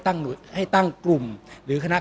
ก็ต้องทำอย่างที่บอกว่าช่องคุณวิชากำลังทำอยู่นั่นนะครับ